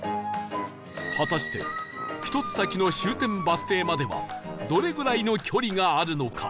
果たして１つ先の終点バス停まではどれぐらいの距離があるのか？